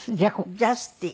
ジャスティー。